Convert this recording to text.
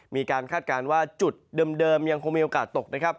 มีการคาดการณ์ว่าจุดเดิมยังคงมีโอกาสตก